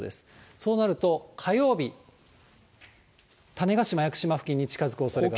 そうなると、火曜日、種子島、屋久島付近に近づくおそれがあります。